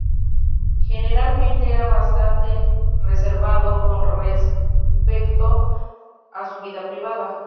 Generalmente era bastante reservado con respecto a su vida privada.